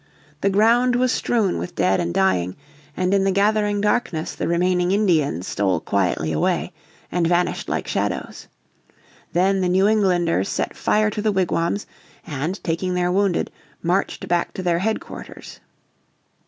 The ground was strewn with dead and dying, and in the gathering darkness the remaining Indians stole quietly away, and vanished like shadows. Then the New Englanders set fire to the wigwams, and, taking their wounded, marched back to their headquarters.